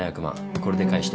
これで返して。